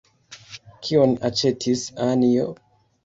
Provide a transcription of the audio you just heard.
Kion aĉetis Anjo?